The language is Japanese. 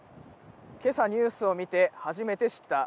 けさニュースを見て、初めて知った。